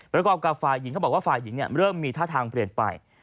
ประกอบกับฝ่ายหญิงเขาบอกว่าฝ่ายหญิงเริ่มมีท่าทางเปลี่ยนไป